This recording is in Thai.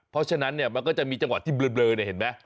เพราะฉะนั้นมันก็จะมีจังหวะที่เบลอ